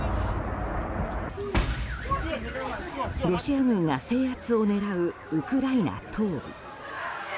ロシア軍が制圧を狙うウクライナ東部。